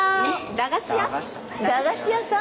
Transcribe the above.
駄菓子屋さん。